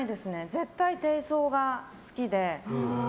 絶対、低層が好きで。